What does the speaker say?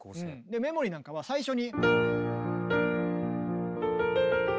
「メモリー」なんかは最初に。